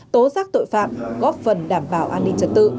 tố giác tội phạm góp phần đảm bảo an ninh trật tự